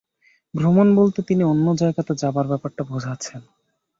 ভ্রমণ বলতে তিনি অন্য জগতে যাবার ব্যাপারটা বোঝাচ্ছেন।